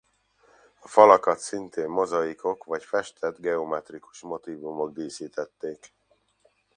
A falakat szintén mozaikok vagy festett geometrikus motívumok díszítették.